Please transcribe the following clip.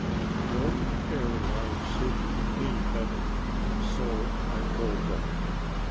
The open air life suited me better, and so I told them.